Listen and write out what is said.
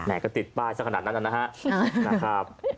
แหมก็ติดป้ายสักขนาดนั้นนะฮะ